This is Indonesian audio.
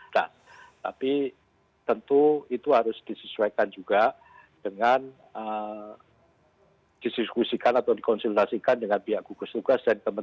tapi tentu itu harus disesuaikan juga dengan diskusikan atau dikonsultasikan dengan pihak gubernur